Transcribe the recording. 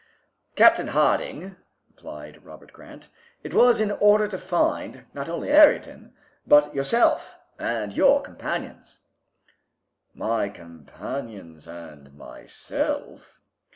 "Captain Harding," replied Robert Grant, "it was in order to find, not only Ayrton, but yourself and your companions." "My companions and myself?"